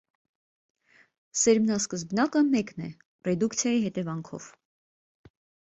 Սերմնասկզբնակը մեկն է (ռեդուկցիայի հետևանքով)։